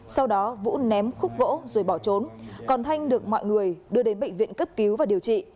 sau đó vũ ném khúc gỗ rồi bỏ trốn còn thanh được mọi người đưa đến bệnh viện cấp cứu và điều trị